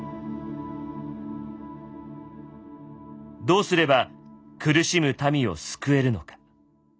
どうすれば苦しむ民を救えるのか。